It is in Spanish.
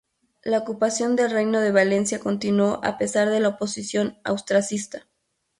La ocupación del Reino de Valencia continuó a pesar de la oposición austracista.